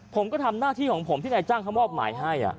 ผมก็ทำหน้าที่ของผมที่นายจ้างเขามอบหมายให้